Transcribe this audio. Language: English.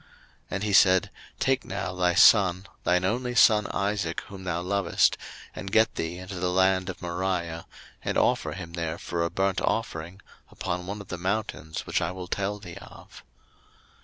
01:022:002 And he said, Take now thy son, thine only son Isaac, whom thou lovest, and get thee into the land of Moriah; and offer him there for a burnt offering upon one of the mountains which I will tell thee of.